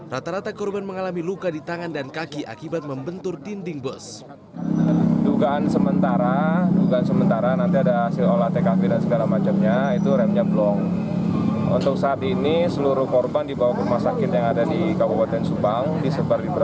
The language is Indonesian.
rata rata korban mengalami luka di tangan dan kaki akibat membentur dinding bus